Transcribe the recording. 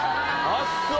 あっそう！